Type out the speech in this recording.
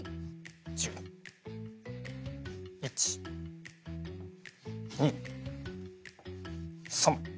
１２１２３。